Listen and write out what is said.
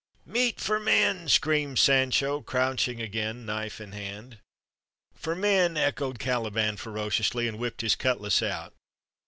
"Meat for men!" screamed Sancho, crouching again, knife in hand. "For men!" echoed Caliban ferociously, and whipped his cutlas out.